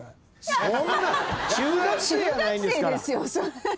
そんな中学生やないんですから。